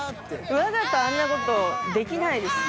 わざとあんな事できないです。